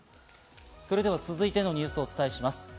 それでは続いてのニュースをお伝えします。